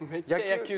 野球。